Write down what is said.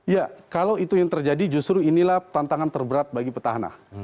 ya kalau itu yang terjadi justru inilah tantangan terberat bagi petahana